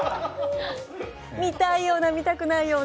見たいような、見たくないような。